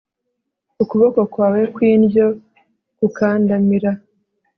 ukuboko kwawe kw'indyo kukandamira